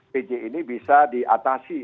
pj ini bisa diatasi